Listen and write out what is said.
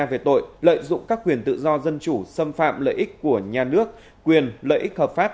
về tội lợi dụng các quyền tự do dân chủ xâm phạm lợi ích của nhà nước quyền lợi ích hợp pháp